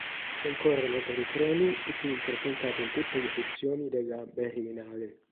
Concorrono per i premi i film presentati in tutte le sezioni della "Berlinale".